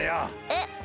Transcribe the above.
えっ。